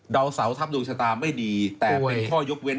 ดาวเสาทัพดวงชาตาไม่ดีแต่ค่อยยกเว้น